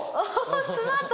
スマート。